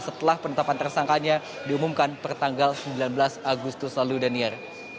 setelah penetapan tersangkanya diumumkan pertanggal sembilan belas agustus lalu daniar